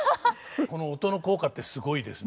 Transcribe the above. この音の効果ってすごいですね。